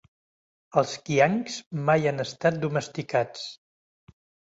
Els Kiangs mai han estat domesticats.